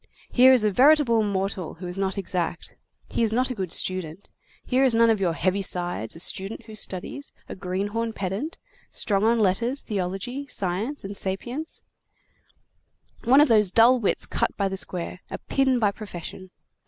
Here is a veritable mortal who is not exact. He's not a good student. Here is none of your heavy sides, a student who studies, a greenhorn pedant, strong on letters, theology, science, and sapience, one of those dull wits cut by the square; a pin by profession.